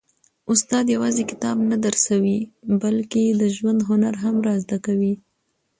استاد یوازي کتاب نه درسوي، بلکي د ژوند هنر هم را زده کوي.